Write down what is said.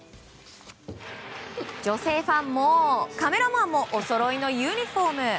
女性ファンもカメラマンもおそろいのユニホーム。